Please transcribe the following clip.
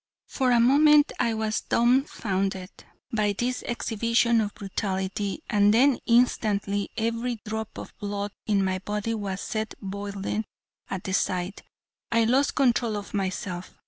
For a moment I was dumbfounded by this exhibition of brutality, and then instantly every drop of blood in my body was set boiling at the sight. I lost control of myself.